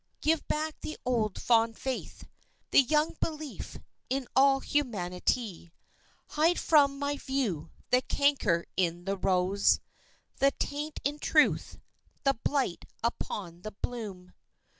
Give back the old fond faith, The young belief in all humanity; Hide from my view the canker in the rose, The taint in truth, the blight upon the bloom.